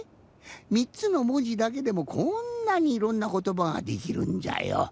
３つのもじだけでもこんなにいろんなことばができるんじゃよ。